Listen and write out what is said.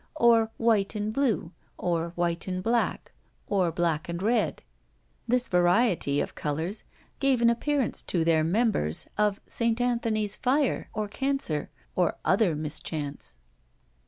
Or white and blue, or white and black, or black and red; this variety of colours gave an appearance to their members of St. Anthony's fire, or cancer, or other mischance!